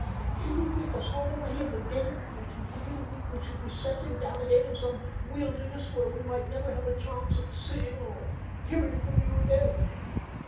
He would whip us all away in the dead of the night, and within a week we should be settling down again in some wilderness where we might never have a chance of seeing or hearing from you again.